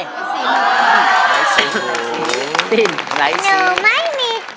นิ้วไม่มีจุก